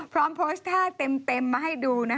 พร้อมโพสตาร์เต็มมาให้ดูนะคะ